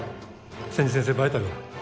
千住先生バイタルは？